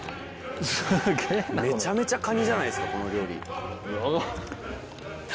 めちゃめちゃカニじゃないですかこの料理。